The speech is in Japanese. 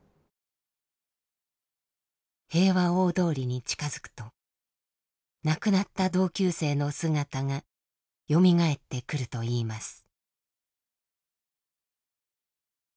平和大通りに近づくと亡くなった同級生の姿がよみがえってくるといいます。